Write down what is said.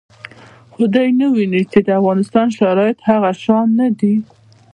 خو دوی دا نه ویني چې د افغانستان شرایط هغه شان نه دي